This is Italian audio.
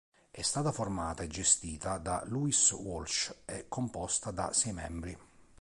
È stata formata e gestita da Louis Walsh e composta da sei membri.